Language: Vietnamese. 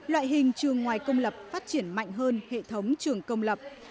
loại hình trường ngoài công lập phát triển mạnh hơn hệ thống trường công lập